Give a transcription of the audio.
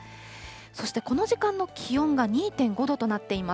そしてこの時間の気温が２．５度となっています。